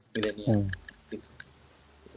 dia sangat dipiliki sama pemuda pemuda milenial